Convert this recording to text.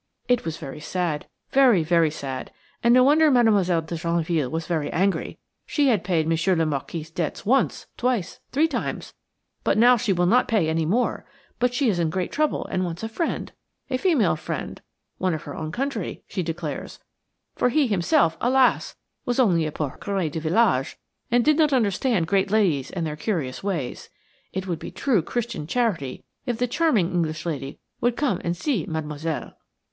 It was very sad–very, very sad–and no wonder Mademoiselle de Genneville was very angry. She had paid Monsieur le Marquis' debts once, twice, three times–but now she will not pay any more–but she is in great trouble and wants a friend–a female friend, one of her own country, she declares–for he himself, alas! was only a poor curé de village, and did not understand great ladies and their curious ways. It would be true Christian charity if the charming English lady would come and se Mademoiselle.